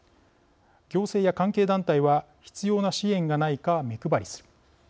行政や関係団体は必要な支援がないか目配りする。